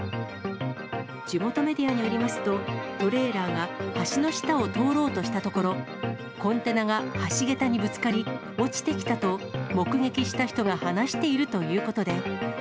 地元メディアによりますと、トレーラーが橋の下を通ろうとしたところ、コンテナが橋桁にぶつかり、落ちてきたと、目撃した人が話しているということで。